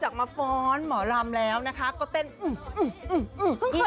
สุดยอดเลยคุณผู้ชมค่ะบอกเลยว่าเป็นการส่งของคุณผู้ชมค่ะ